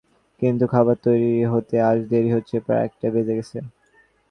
কিন্তু, খাবার তৈরি হতে আজ দেরি হচ্ছে, প্রায় একটা বেজে গেছে।